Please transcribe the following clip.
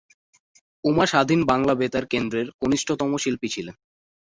উমা স্বাধীন বাংলা বেতার কেন্দ্রের কনিষ্ঠতম শিল্পী ছিলেন।